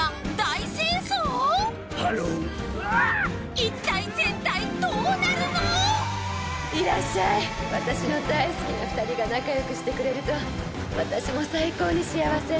一体全体どうなるの⁉いらっしゃい私の大好きな２人が仲良くしてくれると私も最高に幸せ。